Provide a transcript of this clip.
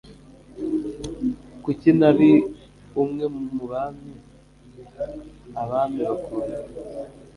Kuki ntari umwe mubami abami bakunda